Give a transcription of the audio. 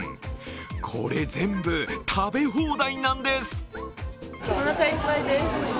これ全部、食べ放題なんです。